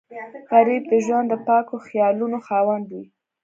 غریب د ژوند د پاکو خیالونو خاوند وي